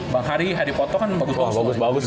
bang hari hari foto kan bagus bagus